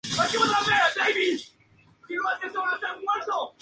La mora roja se encuentra dentro de la lista de especies amenazadas en Canadá.